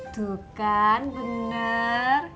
tuh kan bener